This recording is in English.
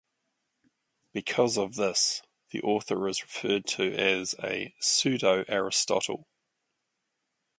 Because of this, the author is referred to as a Pseudo-Aristotle.